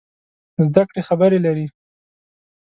زده کړې خبرې لري.